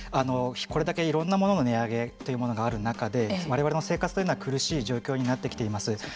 これだけいろんなものの値上げというものがある中でわれわれの生活というのは苦しい状況になってきています。